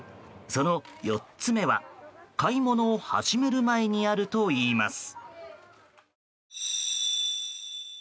その４つ目は買い物を始める前にあるといいます。